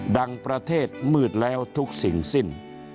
ประเทศมืดแล้วทุกสิ่งสิ้น